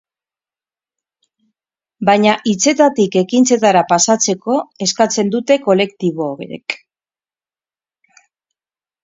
Baina hitzetatik ekintzetara pasatzeko eskatzen dute kolektiboek.